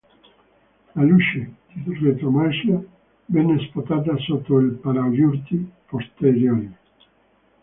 La luce di retromarcia venne spostata sotto al paraurti posteriore.